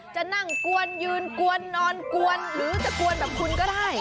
จะนั่งกวนยืนกวนนอนกวนหรือจะกวนแบบคุณก็ได้